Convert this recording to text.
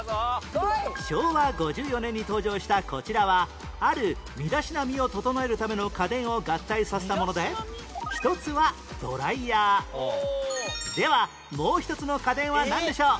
昭和５４年に登場したこちらはある身だしなみを整えるための家電を合体させたもので１つはドライヤーではもう１つの家電はなんでしょう？